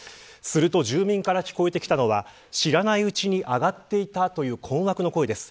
すると住民から聞こえてきたのは知らないうちに上がっていたという困惑の声です。